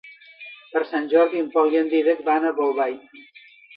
Per Sant Jordi en Pol i en Dídac van a Bolbait.